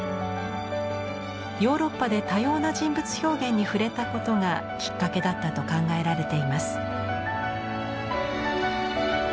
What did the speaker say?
ヨーロッパで多様な人物表現に触れたことがきっかけだったと考えられています。